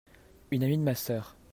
Une amie de ma sœur.